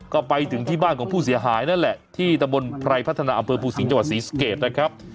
ก็ไปถึงที่บ้านของผู้เสียหายนั่นแหละที่ตะบนไพรพัฒนาอำเภอภูสิงห์จังหวัดศรีสเกตนะครับ